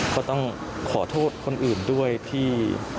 ก็ต้องขอโทษคนอื่นด้วยที่